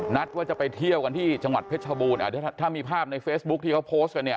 นัดว่าจะไปเที่ยวกันที่จังหวัดเพชรชบูรณถ้ามีภาพในเฟซบุ๊คที่เขาโพสต์กันเนี่ย